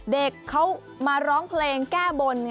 เด็กเขามาร้องเพลงแก้บน